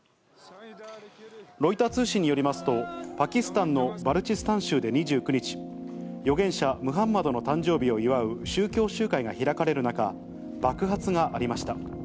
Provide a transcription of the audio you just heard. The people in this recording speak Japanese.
ロイター通信によりますと、パキスタンのバルチスタン州で２９日、預言者ムハンマドの誕生日を祝う宗教集会が開かれる中、爆発がありました。